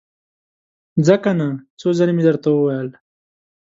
ځه کنه! څو ځلې مې درته وويل!